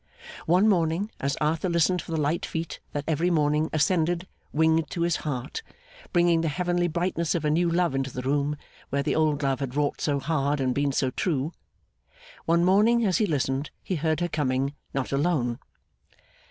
One morning, as Arthur listened for the light feet that every morning ascended winged to his heart, bringing the heavenly brightness of a new love into the room where the old love had wrought so hard and been so true; one morning, as he listened, he heard her coming, not alone.